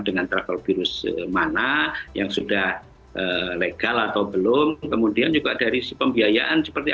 dengan travel virus mana yang sudah legal atau belum kemudian juga dari pembiayaan seperti